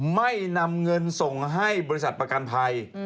ไม่นำเงินส่งให้บริษัทประกันภัย